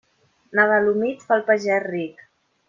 Nadal humit fa el pagès ric.